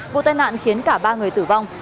vụ tai nạn khiến cả ba người tử vong